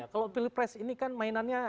kalau pilpres ini kan mainannya